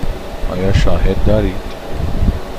آیا شاهدی دارید؟